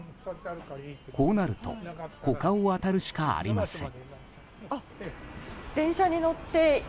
こうなると他を当たるしかありません。